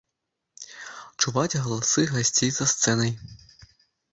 Чуваць галасы гасцей за сцэнай.